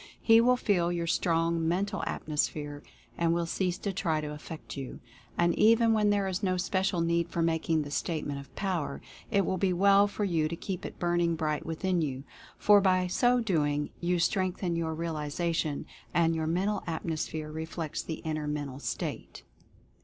He will feel your strong Mental Atmosphere and will cease to try to affect you. And even when there is no special need for making the Statement of Power it will be well for you to keep it burning bright within you, for by so doing you strengthen your realization, and your Mental Atmosphere reflects the inner mental state.